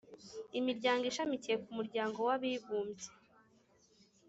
imiryango ishamikiye ku muryango w’abibumbye.